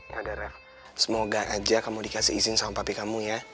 ya darah semoga aja kamu dikasih izin sama papi kamu ya